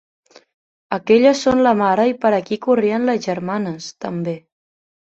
Aquelles són la mare i per aquí corrien les germanes, també.